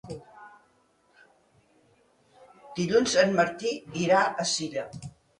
Dilluns en Martí irà a Silla.